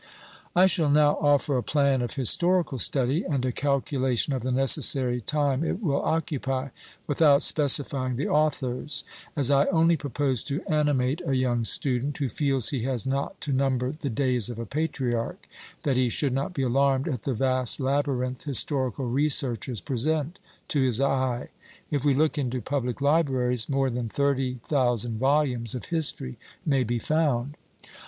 I shall now offer a plan of Historical Study, and a calculation of the necessary time it will occupy, without specifying the authors; as I only propose to animate a young student, who feels he has not to number the days of a patriarch, that he should not be alarmed at the vast labyrinth historical researches present to his eye. If we look into public libraries, more than thirty thousand volumes of history may be found.